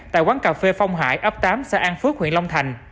tại quán cà phê phong hải ấp tám xã an phước huyện long thành